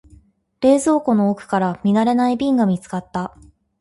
冷蔵庫の奥から見慣れない瓶が見つかった。